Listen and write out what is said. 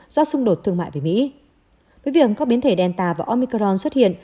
do xung đột thương mại với mỹ với việc các biến thể delta và omicron xuất hiện